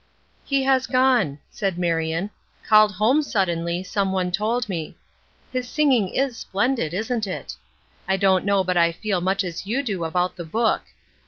"He has gone," said Marion. "Called home suddenly, some one told me. His singing is splendid, isn't it? I don't know but I feel much as you do about the book.